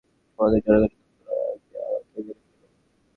আমার জনগণের ক্ষতি করার আগে আমাকেই মেরে ফেলো।